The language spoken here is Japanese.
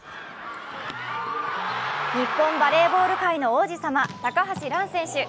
日本バレーボール界の王子様高橋藍選手。